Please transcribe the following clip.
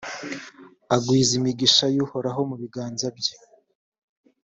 agwiza imigisha y’uhoraho mu biganza bye.